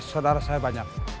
saudara saya banyak